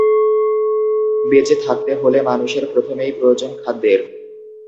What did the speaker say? বেঁচে থাকতে হলে মানুষের প্রথমেই প্রয়োজন খাদ্যের।